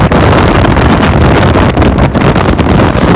แต่ว่าเมืองนี้ก็ไม่เหมือนกับเมืองอื่น